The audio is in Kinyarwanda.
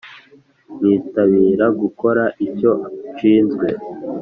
nkitabira gukora icyo nshinzwe